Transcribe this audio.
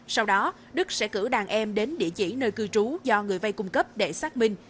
sau đó đức sẽ cử đàn em đến địa chỉ nơi cư trú do người vay cung cấp để xác minh